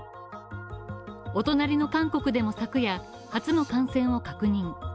お隣の韓国でも昨夜、初の感染を確認。